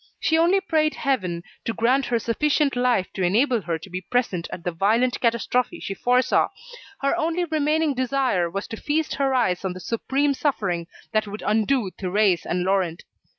She only prayed heaven, to grant her sufficient life to enable her to be present at the violent catastrophe she foresaw; her only remaining desire was to feast her eyes on the supreme suffering that would undo Thérèse and Laurent.